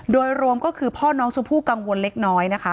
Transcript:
โดยรวมก็คือพ่อน้องชมพู่กังวลเล็กน้อยนะคะ